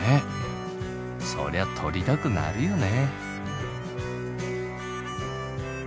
そりゃ撮りたくなるよね。